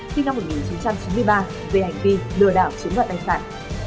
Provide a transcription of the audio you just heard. khi năm một nghìn chín trăm chín mươi ba về hành vi lừa đảo chiến vật tài sản